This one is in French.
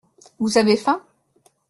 Vous avez faim?